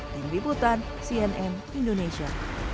tim bibutan cnn indonesia